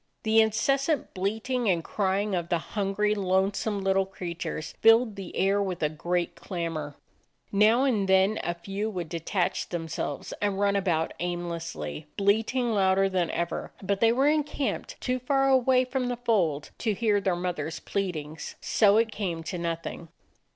The incessant bleating and crying of the hungry, lonesome little creatures filled the air with a great clamor. Now and then a few would 85 DOG HEROES OF MANY LANDS detach themselves and run about aimlessly, bleating louder than ever, but they were en camped too far away from the fold to hear their mothers' pleadings, so it came to nothing.